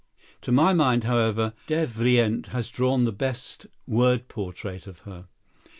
To my mind, however, Devrient has drawn the best word portrait of her.